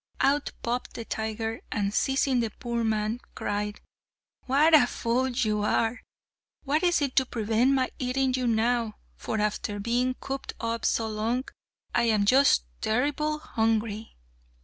Out popped the tiger, and, seizing the poor man, cried, "What a fool you are! What is to prevent my eating you now, for after being cooped up so long I am just terribly hungry!"